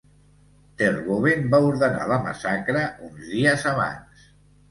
Terboven va ordenar la massacre uns dies abans.